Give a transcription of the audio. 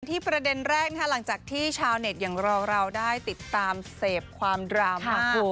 ประเด็นแรกหลังจากที่ชาวเน็ตอย่างเราได้ติดตามเสพความดรามมาคุณ